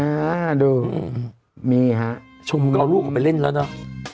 นะฮะดูมีหรือฮะชมเอาลูกมาเล่นแล้วเนอะ